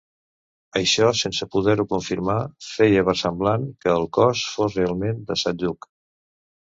Això, sense poder-ho confirmar, feia versemblant que el cos fos realment de Sant Lluc.